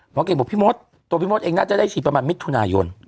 เก่งบอกพี่มดตัวพี่มดเองน่าจะได้ฉีดประมาณมิถุนายน